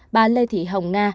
bà lê thị hương